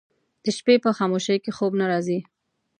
د شپې په خاموشۍ کې خوب نه راځي